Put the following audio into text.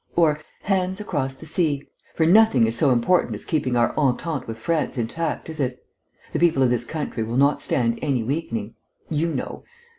Or, 'Hands across the sea!' For nothing is so important as keeping our entente with France intact, is it.... The people of this country will not stand any weakening ... you know....